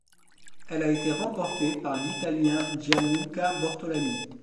Elle a été remportée par l'Italien Gianluca Bortolami.